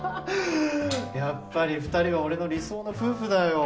やっぱり二人は俺の理想の夫婦だよ。